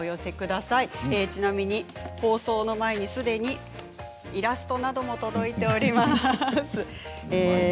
ちなみに放送の前にすでにイラストなども届いております。